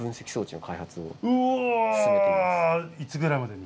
うおいつぐらいまでに？